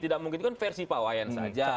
tidak mungkin itu kan versi pak woyan saja